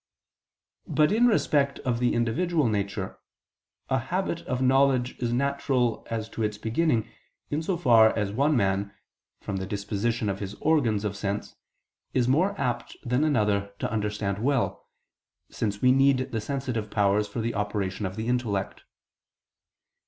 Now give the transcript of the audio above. But in respect of the individual nature, a habit of knowledge is natural as to its beginning, in so far as one man, from the disposition of his organs of sense, is more apt than another to understand well, since we need the sensitive powers for the operation of the intellect.